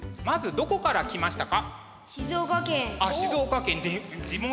どこから来ましたか？